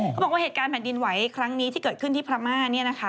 เขาบอกว่าเหตุการณ์แผ่นดินไหวครั้งนี้ที่เกิดขึ้นที่พม่าเนี่ยนะคะ